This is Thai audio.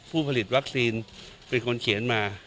ผู้ผลิตวัคซีนเป็นคนเขียนมา